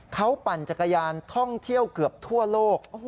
เขาปั่นจักรยานท่องเที่ยวเกือบทั่วโลก